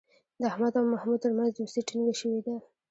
د احمد او محمود ترمنځ دوستي ټینگه شوې ده.